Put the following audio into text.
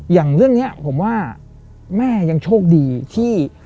อย่างเรื่องนี้ผมว่าแม่ยังโชคดีที่